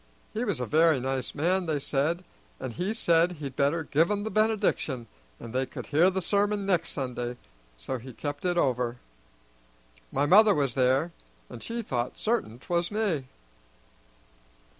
He was a very nice man, they said, and he said he'd better give 'em the benediction, and they could hear the sermon next Sunday, so he kept it over. My mother was there, and she thought certain 'twas me."